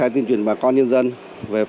di chuyển di rời